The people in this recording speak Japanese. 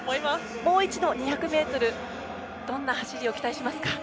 もう一度、２００ｍどんな走りを期待しますか？